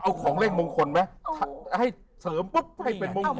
เอาของเลขมงคลไหมให้เสริมปุ๊บให้เป็นมงคล